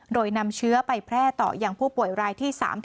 โดยนำเชื้อไปแพร่ต่อยังผู้ป่วยรายที่๓๐